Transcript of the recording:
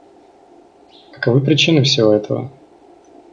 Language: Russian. Каковы причины всего этого?